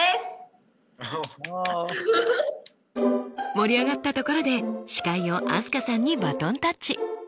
盛り上がったところで司会を飛鳥さんにバトンタッチ。